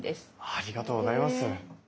ありがとうございます。